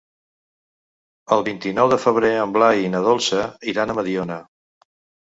El vint-i-nou de febrer en Blai i na Dolça iran a Mediona.